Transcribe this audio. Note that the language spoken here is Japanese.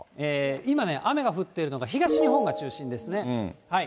今ね、雨が降っているのが東日本が中心ですね。